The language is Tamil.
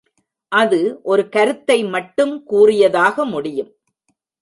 அது ஒரு கருத்தை மட்டும் கூறியதாக முடியும்.